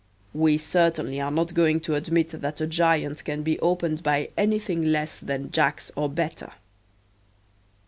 We certainly are not going to admit that a giant can be opened by anything less than Jacks or better.